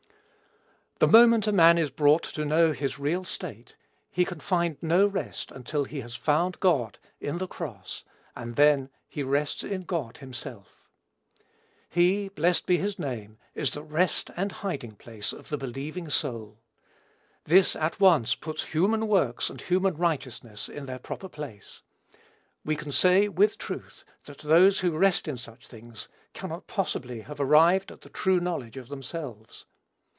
The moment a man is brought to know his real state, he can find no rest until he has found God, in the cross, and then he rests in God himself. He, blessed be his name, is the Rest and Hiding place of the believing soul. This, at once, puts human works and human righteousness in their proper place. We can say, with truth, that those who rest in such things cannot possibly have arrived at the true knowledge of themselves.